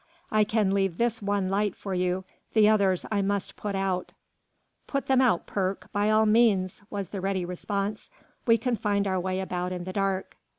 I can leave this one light for you, the others I must put out." "Put them out, Perk, by all means," was the ready response. "We can find our way about in the dark."